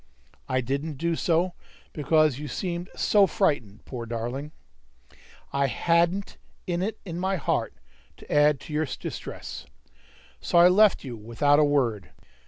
I didn't do so, because you seemed so frightened, poor darling! I hadn't it in my heart to add to your distress. So I left you without a word.